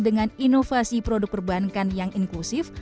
dengan inovasi produk perbankan yang inklusif